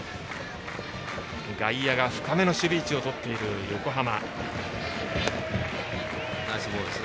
外野が深めの守備位置をとっている横浜。